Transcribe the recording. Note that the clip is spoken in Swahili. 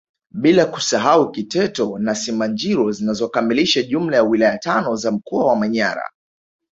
Bila kusahau Kiteto na Simanjiro zinazokamilisha jumla ya wilaya tano za mkoa wa Manyara